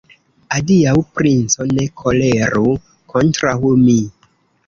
Adiaŭ, princo, ne koleru kontraŭ mi!